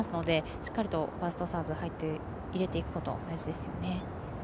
しっかりとファーストサーブを入れていくことが大事ですよね。